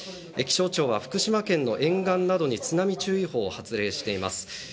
気象庁が福島県の沿岸などに津波注意報を発令しています。